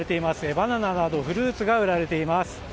バナナなど、フルーツが売られています。